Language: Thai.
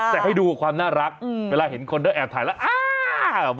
แต่ให้ดูความน่ารักเวลาเห็นคนได้แอบถ่ายแล้ว